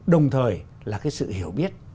đồng thời là cái sự hiểu biết